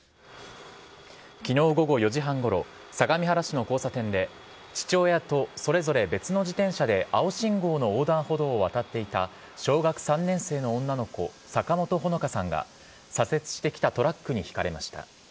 きのう午後４時半ごろ、相模原市の交差点で、父親とそれぞれ別の自転車で青信号の横断歩道を渡っていた小学３年生の女の子、坂本穂香さんが左折してきたトラックにひかれました。